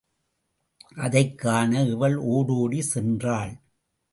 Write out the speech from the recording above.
அதைக் காண இவள் ஓடோடிச் சென்றாள்.